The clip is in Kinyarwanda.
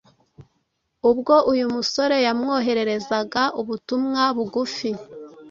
ubwo uyu musore yamwohererezaga ubutumwa bugufi.